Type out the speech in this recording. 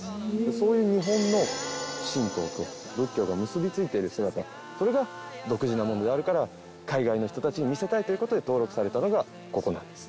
そういう日本の神道と仏教が結びついている姿それが独自なものであるから海外の人たちに見せたいという事で登録されたのがここなんです。